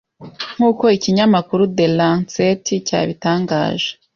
nkuko ikinyamakuru The Lancet cyabitangaje.